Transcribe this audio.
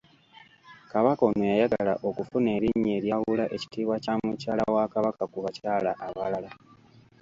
Kabaka ono yagagala okufuna erinnya eryawula ekitiibwa kya mukyala wa Kabaka ku bakyala abalala.